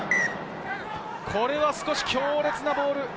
これは少し強烈なボール。